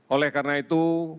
oleh karena itu